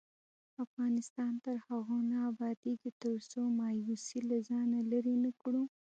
افغانستان تر هغو نه ابادیږي، ترڅو مایوسي له ځانه لیرې نکړو.